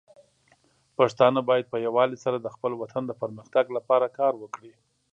پښتانه بايد په يووالي سره د خپل وطن د پرمختګ لپاره کار وکړي.